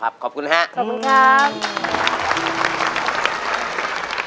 ครับขอบคุณครับ